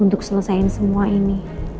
untuk selesaikan semua ini